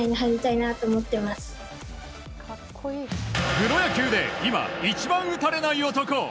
プロ野球で今、一番打たれない男。